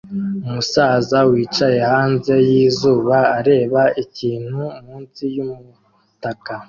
Umusaza wicaye hanze yizuba areba ikintu munsi yumutaka